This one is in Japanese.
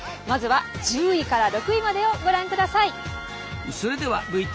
まずは１０位から６位までをご覧ください。